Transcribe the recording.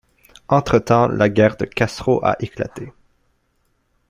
Entretemps, la guerre de Castro a éclaté.